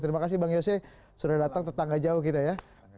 terima kasih bang yose sudah datang tetangga jauh kita ya